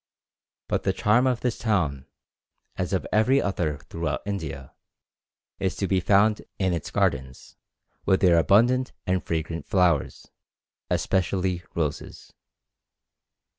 But the charm of this town, as of every other throughout India, is to be found in its gardens, with their abundant and fragrant flowers, especially roses.